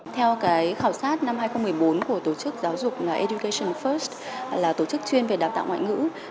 theo khảo sát năm hai nghìn một mươi bốn của tổ chức giáo dục education first là tổ chức chuyên về đào tạo ngoại ngữ